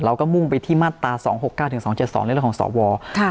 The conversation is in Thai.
เราก็มุ่งไปที่มาตรา๒๖๙๒๗๒เรียกได้ของสอบวอล